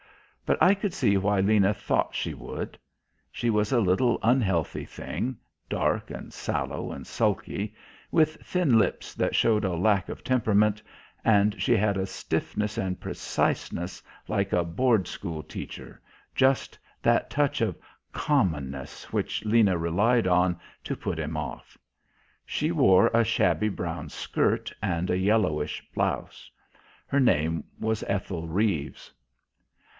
but I could see why Lena thought she would. She was a little unhealthy thing, dark and sallow and sulky, with thin lips that showed a lack of temperament, and she had a stiffness and preciseness, like a Board School teacher just that touch of "commonness" which Lena relied on to put him off. She wore a shabby brown skirt and a yellowish blouse. Her name was Ethel Reeves.